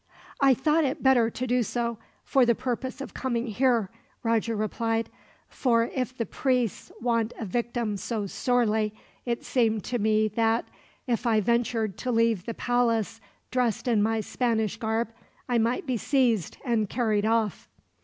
"I thought it better to do so, for the purpose of coming here," Roger replied; "for if the priests want a victim so sorely, it seemed to me that, if I ventured to leave the palace dressed in my Spanish garb, I might be seized and carried off."